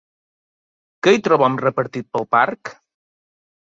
Què hi trobem repartit pel parc?